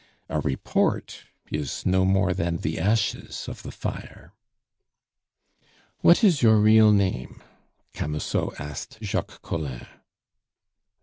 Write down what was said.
A report is no more than the ashes of the fire. "What is your real name?" Camusot asked Jacques Collin.